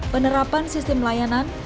penerapan sistem layanan